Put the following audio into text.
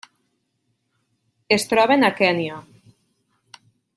Es troben a Kenya.